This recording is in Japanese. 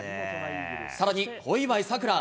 さらに小祝さくら。